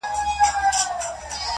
هغه نجلۍ نوره له ما څخه پرده نه کوي~